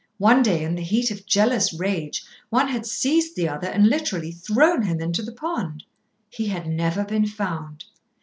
One day, in the heat of jealous rage one had seized the other and literally thrown him into the pond. He had never been found.